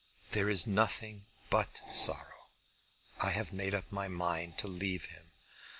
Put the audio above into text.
There is nothing but sorrow. I have made up my mind to leave him."